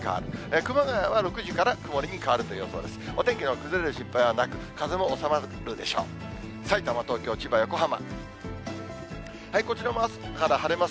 熊谷は６時から曇りに変わるという予想です。